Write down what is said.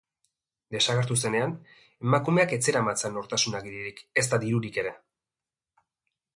Desagertu zenean, emakumeak ez zeramatzan nortasun agiririk ezta dirurik ere.